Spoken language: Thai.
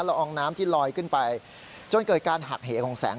อองน้ำที่ลอยขึ้นไปจนเกิดการหักเหของแสง